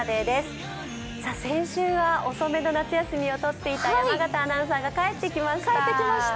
先週は遅めの夏休みを取っていた山形アナウンサーが帰ってきました。